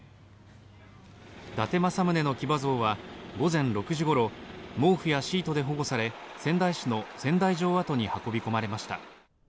伊達政宗の騎馬像は午前６時ごろ毛布やシートで保護され仙台市の仙台城跡に運び込まれました。